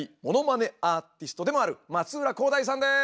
アーティストでもある松浦航大さんです！